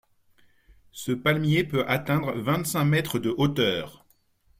Ce palmier peut atteindre vingt-cinq mètres de hauteur.